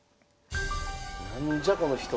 何じゃこの人。